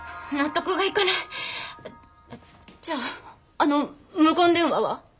じゃああの無言電話は？